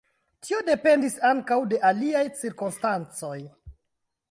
Tio dependis ankaŭ de aliaj cirkonstancoj.